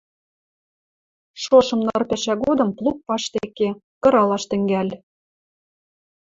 шошым ныр пӓшӓ годым плуг паштек ке, кыралаш тӹнгӓл.